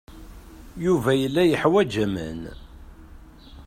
Yuba yella yeḥwaj aman.